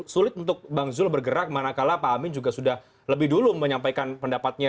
sulit untuk bang zul bergerak manakala pak amin juga sudah lebih dulu menyampaikan pendapatnya